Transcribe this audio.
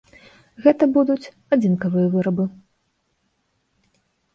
Гэта будуць адзінкавыя вырабы.